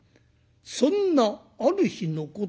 そんなある日のこと。